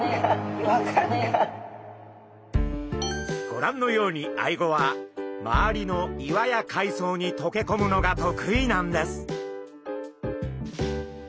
ご覧のようにアイゴは周りの岩や海藻に溶け込むのが得意なんです。